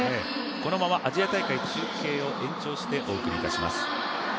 このままアジア大会の中継を延長してお届けします。